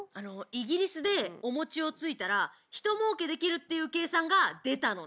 イギリスでお餅をついたらひともうけできるっていう計算が出たのね。